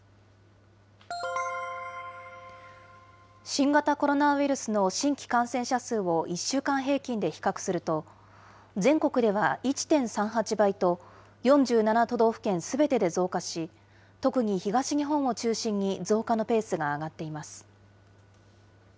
新型コロナウイルスの新規感染者数を、１週間平均で比較すると、全国では１．３８倍と、４７都道府県すべてで増加し、特に東日本を中心に増加のペースが上がっています。